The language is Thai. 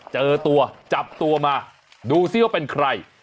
เจอตัวจับตัวมาดูซิว่าเป็นใคร